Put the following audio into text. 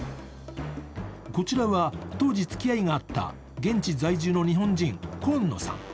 こちらは当時付き合いがあった現地在住の日本人、今野さん。